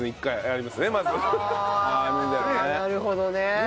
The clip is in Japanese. なるほどね。